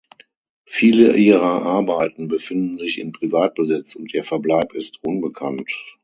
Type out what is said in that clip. Viele ihrer Arbeiten befinden sich in Privatbesitz und ihr Verbleib ist unbekannt.